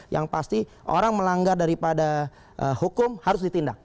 yang pasti orang melanggar daripada hukum harus ditindak